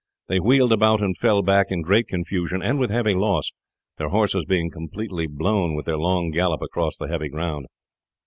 They wheeled about and fell back in great confusion and with heavy loss, their horses being completely blown with their long gallop across the heavy ground.